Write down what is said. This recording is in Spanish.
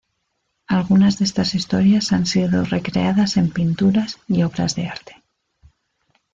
Algunas de estas historias han sido recreadas en pinturas y obras de arte.